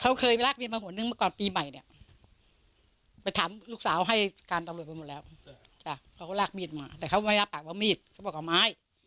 เขาเคยไปลากเมียมาหัวนึงเมื่อก่อนปีใหม่เนี่ยไปถามลูกสาวให้การตำรวจไปหมดแล้วจ้ะเขาก็ลากมีดมาแต่เขาไม่รับปากว่ามีดเขาบอกเอาไม้